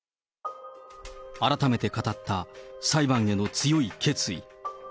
改めて語った裁判への強い決意。